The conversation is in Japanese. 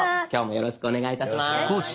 よろしくお願いします。